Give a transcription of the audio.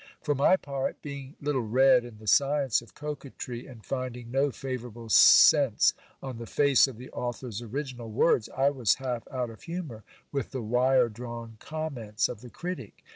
For my part, being little read in the science of coquetry, and finding no favourable sense on the face of the author's original words, I was half out of humour with the wire drawn comments of the critic.